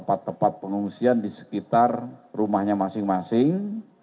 tempat tempat pengungsian di sekitar rumahnya masing masing